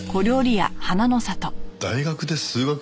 大学で数学？